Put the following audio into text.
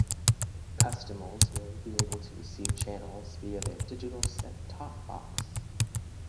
Customers will still be able to receive channels via their digital set-top box.